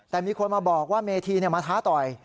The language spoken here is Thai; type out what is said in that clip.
แต่มีคนมาบอกว่าเมธีมาท้าต่อย